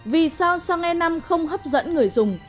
vì sao xăng e năm không hấp dẫn người dùng